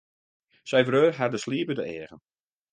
Sy wreau har de sliep út de eagen.